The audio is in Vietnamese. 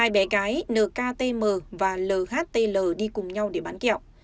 hai bé gái nktm và lhtl đi cùng nhau để bán kẹo